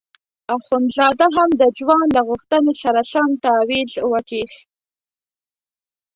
اخندزاده هم د ځوان له غوښتنې سره سم تاویز وکیښ.